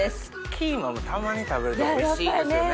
キーマもたまに食べるとおいしいですよね。